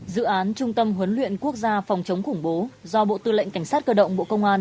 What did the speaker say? dự án trung tâm huấn luyện quốc gia phòng chống khủng bố do bộ tư lệnh cảnh sát cơ động bộ công an